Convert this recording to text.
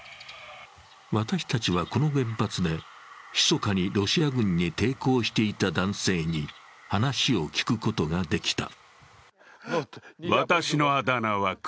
私たちはこの原発で、ひそかにロシア軍に抵抗していた男性に話を聞くことができた。